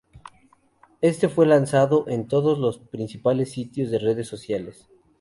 Este fue lanzado en todos los principales sitios de redes sociales.